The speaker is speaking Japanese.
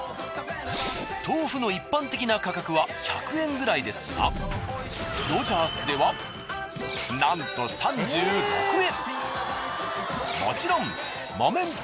豆腐の一般的な価格は１００円くらいですがロヂャースではなんと３６円。